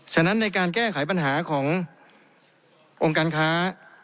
ฉะนั้นในการแก้ไขปัญหาขององค์การค้า